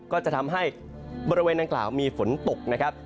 ก็จะทำให้บริเวณดังกล่าวมีฝนตกนะครับ